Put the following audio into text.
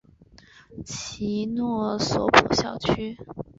其诺索普校区。